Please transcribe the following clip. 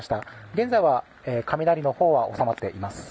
現在は、雷のほうは収まっています。